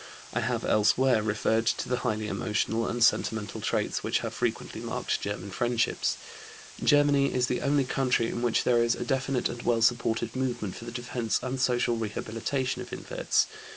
I have elsewhere referred to the highly emotional and sentimental traits which have frequently marked German friendships. Germany is the only country in which there is a definite and well supported movement for the defense and social rehabilitation of inverts.